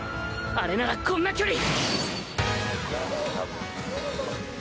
あれならこんな距離」